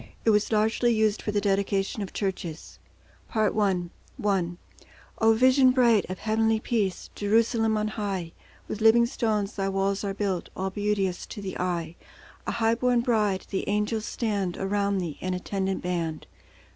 It was largely used for the dedication of churches. Part I. I O vision bright of heavenly peace, Jerusalem on high, With living stones Thy walls are built, All beauteous to the eye; A high born bride, the angels stand Around Thee, an attendant band.